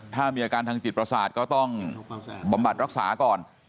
ถ้ามีอาการทางจิตประสาทก็ต้องบำบัดรักษาก่อน